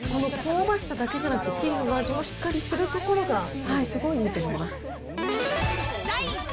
この香ばしさだけじゃなくて、チーズの味もしっかりするところが。